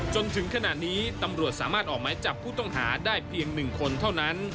จนถึงขณะนี้ตำรวจสามารถออกหมายจับผู้ต้องหาได้เพียง๑คนเท่านั้น